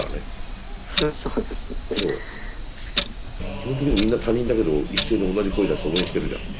基本的にはみんな他人だけど一斉に同じ声出して応援してるじゃん。